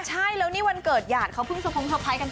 ใช่แล้วนี่วันเกิดหยาดเขาเพิ่งสะพงเพอร์ไพรสกัน